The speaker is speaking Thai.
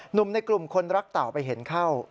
หนุ่มในกลุ่มคนรักเต่าไปเห็นเข้า